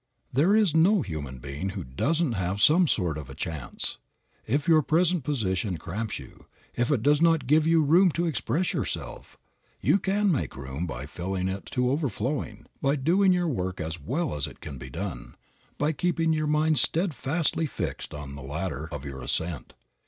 There is no human being who doesn't have some sort of a chance. If your present position cramps you; if it does not give you room to express yourself, you can make room by filling it to overflowing, by doing your work as well as it can be done, by keeping your mind steadfastly fixed on the ladder of your ascent.